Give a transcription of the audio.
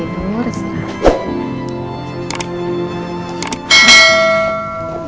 ibu tidur silahkan